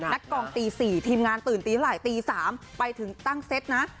กองตี๔ทีมงานตื่นตีเท่าไหร่ตี๓ไปถึงตั้งเซ็ตนะ